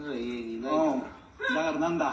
おうだから何だ？